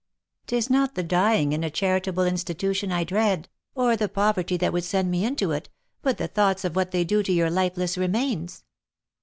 "'Tis not the dying in a charitable institution I dread, or the poverty that would send me into it, but the thoughts of what they do to your lifeless remains."